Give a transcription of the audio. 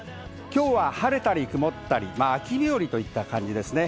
きょうは晴れたり曇ったり、秋日和といった感じですね。